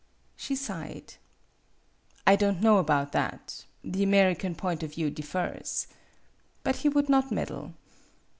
She sighed. "I don't know about that. The Ameri can point of view differs." But he would not meddle.